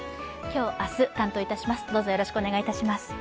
今日、明日、担当いたします。